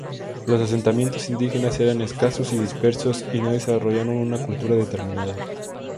Los asentamientos indígenas eran escasos y dispersos y no desarrollaron una cultura determinada.